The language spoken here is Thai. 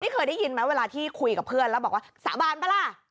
เคยได้ยินไหมเวลาที่คุยกับเพื่อนแล้วบอกว่าสาบานป่ะล่ะ